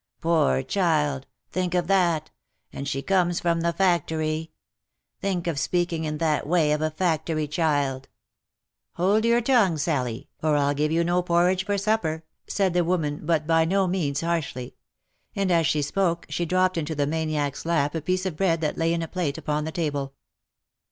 " Poor child !— think of that! — and she comes from the factory ! Think of speaking in that way of a factory child !"" Hold your tongue, Sally, or I'll give you no porridge for supper," said the woman, but by no means harshly ; and as she spoke, she drop ped into the maniac's lap a piece of bread that lay in a plate upon the table.